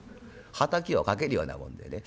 はたきをかけるようなもんでね。